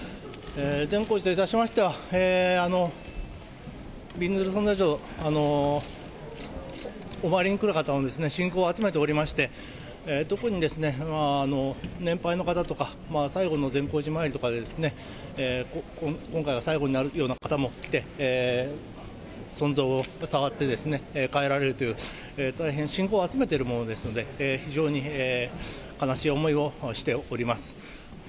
善光寺といたしましては、びんずる尊者像、お参りに来る方の信仰を集めておりまして、特に、年配の方とか、最後の善光寺参りとかですね、今回が最後になるような方も来て、尊者像を触って帰られるという、大変信仰を集めているものですので、非常に悲しい思いをしております。